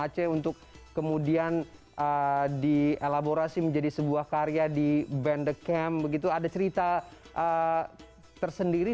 aceh untuk kemudian dielaborasi menjadi sebuah karya di band the camp begitu ada cerita tersendiri